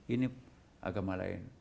ini agama lain